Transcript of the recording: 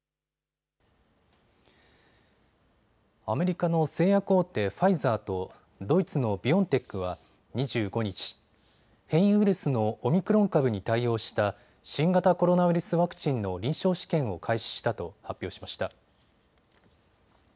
アメリカの製薬大手ファイザーとドイツのビオンテックは２５日、変異ウイルスのオミクロン株に対応した新型コロナウイルスワクチンの臨床試験を開始したと発表しました。